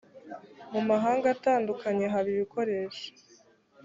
mu mahanga atandukanye haba ibikoresho.